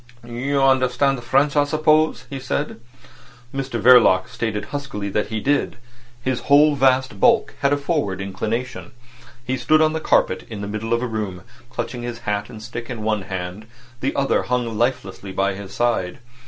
"You understand French, I suppose?" he said. Mr Verloc stated huskily that he did. His whole vast bulk had a forward inclination. He stood on the carpet in the middle of the room, clutching his hat and stick in one hand; the other hung lifelessly by his side.